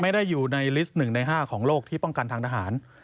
ไม่ได้อยู่ในลิสต์๑ใน๕ของโลกที่ป้องกันทางทหาร